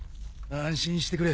安心してくれ。